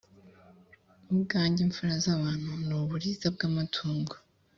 ubwanjye imfura z abantu n uburiza bw amatungo